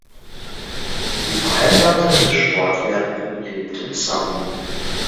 Die verheiratete Sportlehrerin lebt in Sumy.